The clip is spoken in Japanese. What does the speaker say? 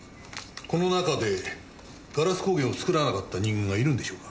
この中でガラス工芸を作らなかった人間がいるんでしょうか？